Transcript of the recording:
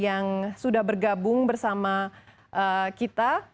yang sudah bergabung bersama kita